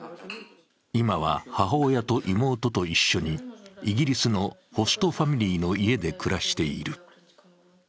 今は母親と妹と一緒に、イギリスのホストファミリーの家で暮らしている。